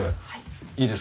はい。